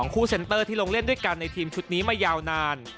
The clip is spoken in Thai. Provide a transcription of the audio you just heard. คู่เซ็นเตอร์ที่ลงเล่นด้วยกันในทีมชุดนี้มายาวนาน